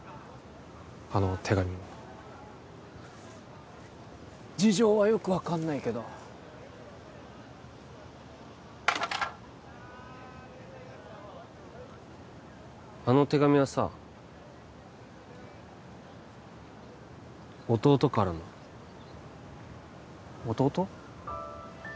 あの手紙も事情はよく分かんないけどあの手紙はさ弟からの弟？